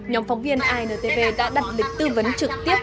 nhóm phóng viên intv đã đặt lịch tư vấn trực tiếp